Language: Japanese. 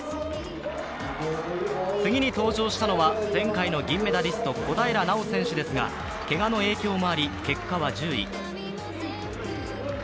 次に登場したのは前回の銀メダリスト、小平奈緒選手ですがけがの影響もあり結果は１０位。